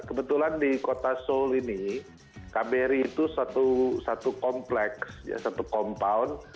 kebetulan di kota seoul ini kbri itu satu kompleks satu kompon